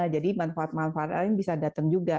jadi manfaat manfaat lain bisa datang juga